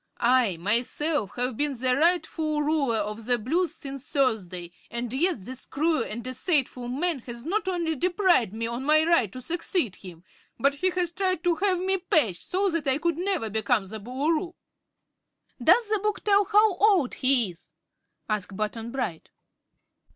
I, myself, have been the rightful Ruler of the Blues since Thursday, and yet this cruel and deceitful man has not only deprived me of my right to succeed him, but he has tried to have me patched, so that I could never become the Boolooroo." "Does the book tell how old he is?" asked Button Bright.